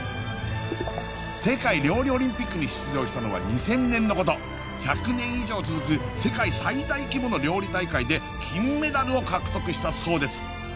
世界料理オリンピックに出場したのは２０００年のこと１００年以上続く世界最大規模の料理大会で金メダルを獲得したそうです